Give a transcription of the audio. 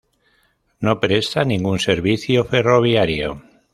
No presta ningún servicio ferroviario.